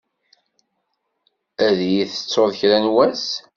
Ad iyi-tettuḍ kra n wass.